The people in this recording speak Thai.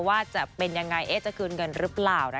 ว่าจะเป็นยังไงจะคืนเงินหรือเปล่า